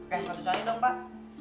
pak pakai sepatu sali dong pak